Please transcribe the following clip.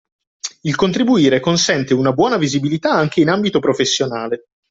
Il contribuire consente una buona visibilità anche in ambito professionale